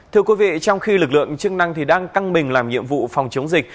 thưa quý vị trong khi lực lượng chức năng đang căng mình làm nhiệm vụ phòng chống dịch